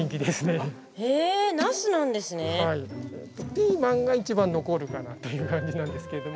ピーマンが一番残るかなという感じなんですけども。